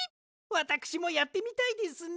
わたくしもやってみたいですね。